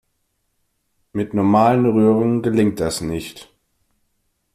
Mit normalen Rührern gelingt das nicht.